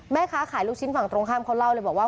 แม่ค้าขายลูกชิ้นฝั่งตรงข้ามเขาเล่าเลยบอกว่า